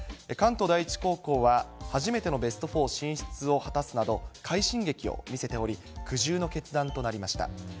関東第一高校は初めてのベスト４進出を果たすなど、快進撃を見せており、苦渋の決断となりました。